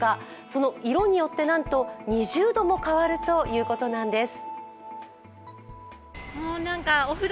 その色によってなんと２０度も変わるということなんです。